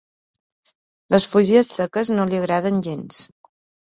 Les fulles seques no li agraden gens.